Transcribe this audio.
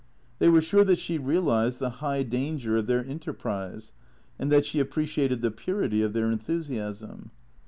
They were sure that she realized the high danger of their enter prise and that she appreciated the purity of their enthusiasm.